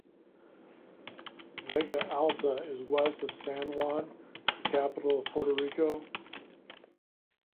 Vega Alta is west of San Juan, the capital of Puerto Rico.